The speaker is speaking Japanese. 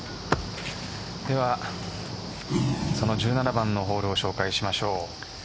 では、その１７番のホールを紹介しましょう。